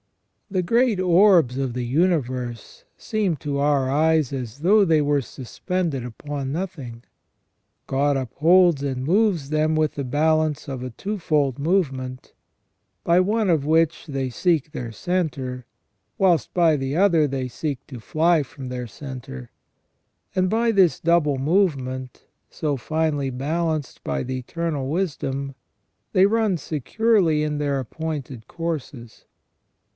The great orbs of the universe seem to our eyes as though they were suspended upon nothing. God upholds and moves them with the balance of a twofold movement, by one of which they seek their centre, whilst by the other they seek to fly from their centre; and by this double movement, so finely balanced by the Eternal Wisdom, they run securely in their appointed Courses.